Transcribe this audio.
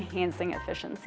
dengan mengingat efisiensi